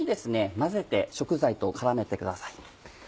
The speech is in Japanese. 混ぜて食材と絡めてください。